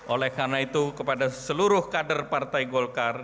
oleh karena itu kepada seluruh kader partai golkar